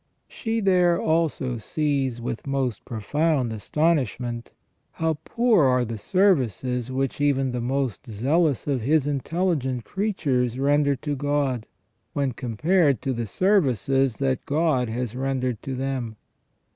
She there also sees with most profound astonishment, how poor are the services which even the most zealous of His intelligent creatures render to God, when compared to the services that God has rendered to them.